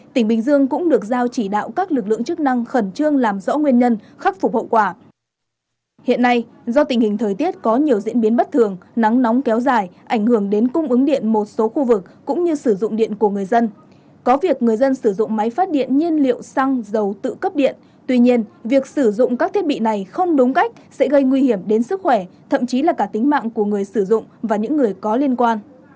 tỉnh bình dương cũng được giao chỉ đạo các lực lượng chức năng khẩn trương làm rõ nguyên nhân khắc phục hậu quả